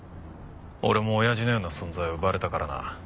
俺も親父のような存在を奪われたからな。